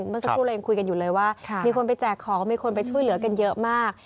เมื่อสักครู่เรายังคุยกันอยู่เลยว่ามีคนไปแจกของมีคนไปช่วยเหลือกันเยอะมาก